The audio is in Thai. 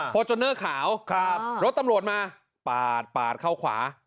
โฟทโจนเนอร์ขาวครับรถตำรวจมาปาดปาดเข้าขวา